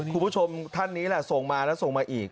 คุณผู้ชมท่านนี้แหละส่งมาแล้วส่งมาอีก